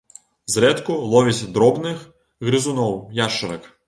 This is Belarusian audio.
Зрэдку ловіць дробных грызуноў, яшчарак.